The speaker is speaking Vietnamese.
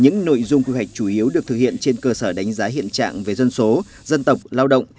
những nội dung quy hoạch chủ yếu được thực hiện trên cơ sở đánh giá hiện trạng về dân số dân tộc lao động